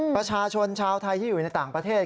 ประชาชนชาวไทยที่อยู่ในต่างประเทศ